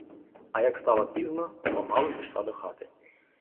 А як стало пізно, помалу пішла до хати.